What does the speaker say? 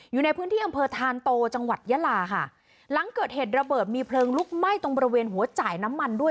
อยู่ในพื้นที่อำเภอธานโตจังหวัดยาลาค่ะหลังเกิดเหตุระเบิดมีเพลิงลุกไหม้ตรงบริเวณหัวจ่ายน้ำมันด้วย